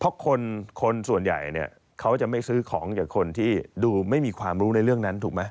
เพราะคนส่วนใหญ่เนี่ยเขาจะไม่ซื้อของจากคนที่ดูไม่มีความรู้ในเรื่องนั้นถูกไหม